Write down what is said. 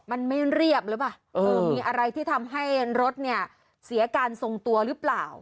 มันไม่เรียบหรือเปล่าเออมีอะไรที่ทำให้รถเนี่ยเสียการทรงตัวหรือเปล่า